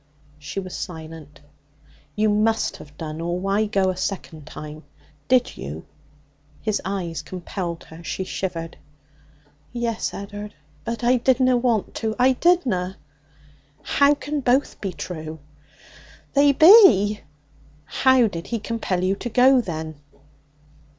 She was silent. 'You must have done, or why go a second time? Did you?' His eyes compelled her. She shivered. 'Yes, Ed'ard. But I didna want to. I didna!' 'How can both be true?' 'They be.' 'How did he compel you to go, then?'